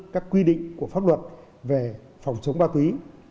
các quy định của pháp luật về phòng chống ma túy